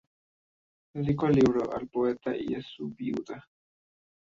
Dedicó el libro al poeta y a su viuda.